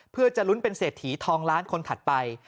เพื่อจะลุ้นเป็นเศรษฐีทองล้านคนถัดไป